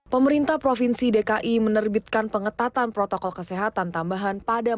pemerintah provinsi dki menerbitkan pengetatan protokol kesehatan taman mini indonesia indah